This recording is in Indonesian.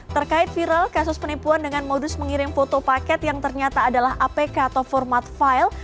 terkait viral kasus penipuan dengan modus mengirim foto paket yang ternyata adalah apk atau format file